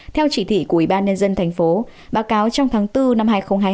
theo chỉ thị của ubnd tp báo cáo trong tháng bốn năm hai nghìn hai mươi hai